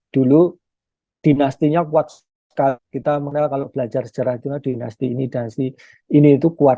dulu dinastinya kuat sekali kita mengenal kalau belajar sejarah juga dinasti ini dan si ini itu kuat